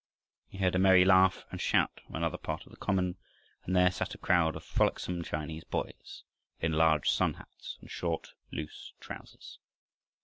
He heard a merry laugh and shout from another part of the common, and there sat a crowd of frolicsome Chinese boys, in large sun hats, and short loose trousers.